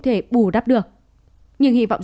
thể bù đắp được nhưng hy vọng